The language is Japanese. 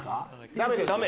ダメです！